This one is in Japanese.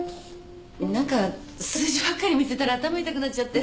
何か数字ばっかり見てたら頭痛くなっちゃって。